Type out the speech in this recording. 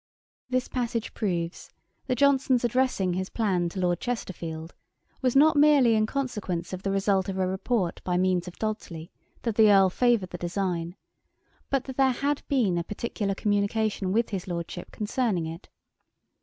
] This passage proves, that Johnson's addressing his Plan to Lord Chesterfield was not merely in consequence of the result of a report by means of Dodsley, that the Earl favoured the design; but that there had been a particular communication with his Lordship concerning it.